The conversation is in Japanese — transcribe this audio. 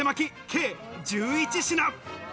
計１１品。